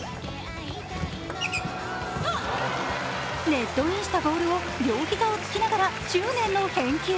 ネットインしたボールを両膝をつきながら執念の返球。